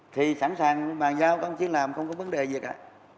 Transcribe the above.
thì sẵn sàng bàn giao công chức làm không có vấn đề gì cả